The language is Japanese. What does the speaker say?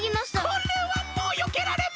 これはもうよけられま。